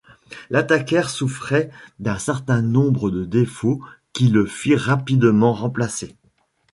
L'Attacker souffrait d'un certain nombre de défauts qui le firent rapidement remplacer.